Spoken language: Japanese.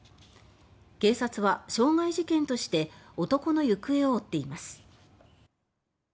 警察は、傷害事件として男の行方を追っています。